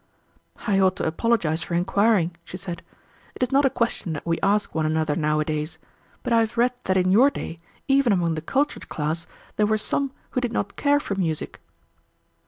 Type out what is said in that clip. "I ought to apologize for inquiring," she said. "It is not a question that we ask one another nowadays; but I have read that in your day, even among the cultured class, there were some who did not care for music."